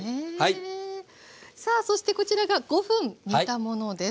さあそしてこちらが５分煮たものです。